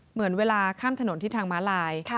เหมือนเวลาข้ามถนนที่ทางม้าลาย